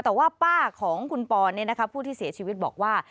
แต่ว่าป้าของคุณปอนผู้ที่เสียชีวิตบอกว่า